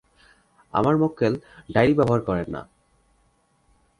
আমার মক্কেল ডায়েরি ব্যবহার করেন না।